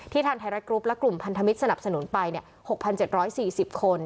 ที่ทางไทยรัฐกรุ๊ปและกลุ่มพันธมิตสนับสนุนไปเนี่ยหกพันเจ็ดร้อยสี่สิบคน